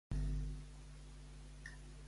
Cap a vol anar?